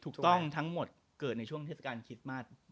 ถูกต้องทั้งหมดเกิดในช่วงเทศกาลคิสมาส